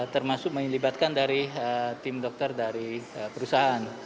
termasuk melibatkan dari tim dokter dari perusahaan